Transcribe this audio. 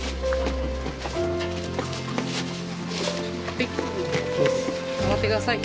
はい。